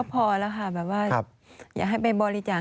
พอแล้วค่ะแบบว่าอยากให้ไปบริจาค